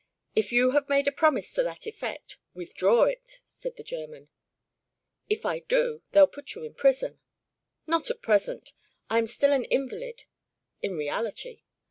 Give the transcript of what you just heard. If you have made a promise to that effect, withdraw it," said the German. "If I do, they'll put you in prison." "Not at present. I am still an invalid. In reality.